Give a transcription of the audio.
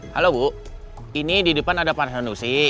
halo bu ini di depan ada pak sanusi